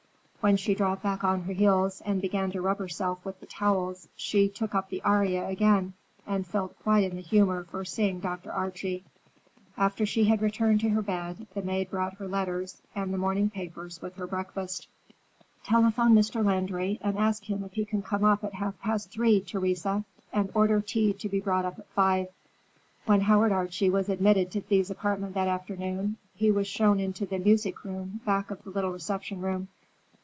When she dropped back on her heels and began to rub herself with the towels, she took up the aria again, and felt quite in the humor for seeing Dr. Archie. After she had returned to her bed, the maid brought her letters and the morning papers with her breakfast. "Telephone Mr. Landry and ask him if he can come at half past three, Theresa, and order tea to be brought up at five." When Howard Archie was admitted to Thea's apartment that afternoon, he was shown into the music room back of the little reception room.